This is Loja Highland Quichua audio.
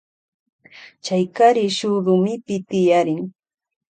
Chay kari shuk rumipi tiyarin.